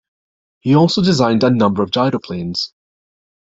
He also designed a number of gyroplanes.